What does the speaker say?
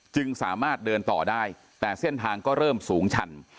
จึงสามารถเดินต่อได้แต่เส้นทางก็เริ่มสูงชัน